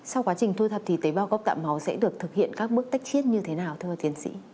sau quá trình thu thập thì tế bảo gốc tạo máu sẽ được thực hiện các bước tách chết như thế nào thưa tiến sĩ